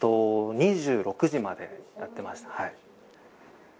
２６時までやってました。